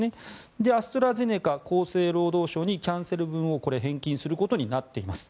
で、アストラゼネカ厚生労働省にキャンセル分を返金することになっています。